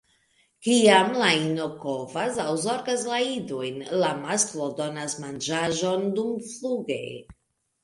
Kiam la ino kovas aŭ zorgas la idojn, la masklo donas manĝaĵon dumfluge.